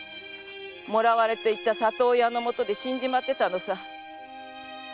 もらわれていった里親のもとで死んじまってたのさ。